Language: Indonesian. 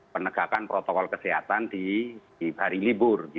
penegakan protokol kesehatan di hari libur